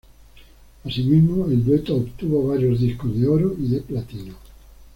Asimismo el dueto obtuvo varios Discos de Oro y de Platino.